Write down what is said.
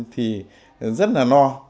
thì rất là no